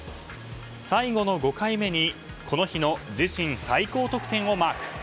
最後の５回目にこの日の自身最高得点をマーク。